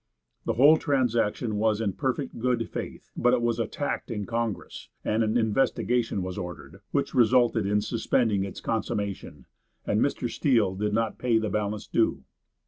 The whole transaction was in perfect good faith, but it was attacked in congress, and an investigation ordered, which resulted in suspending its consummation, and Mr. Steele did not pay the balance due.